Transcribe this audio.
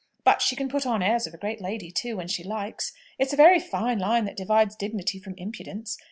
But she can put on airs of a great lady too, when she likes. It's a very fine line that divides dignity from impudence.